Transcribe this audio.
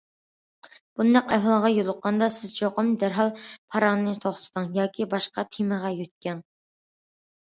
بۇنداق ئەھۋالغا يولۇققاندا، سىز چوقۇم دەرھال پاراڭنى توختىتىڭ ياكى باشقا تېمىغا يۆتكەڭ.